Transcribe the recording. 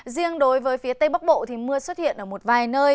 riêng đối với phía tây bắc bộ thì mưa xuất hiện ở một vài nơi